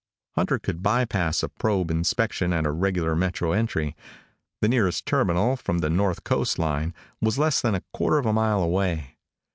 Hunter could by pass a probe inspection at a regular metro entry. The nearest terminal, from the north coast line, was less than a quarter of a mile away.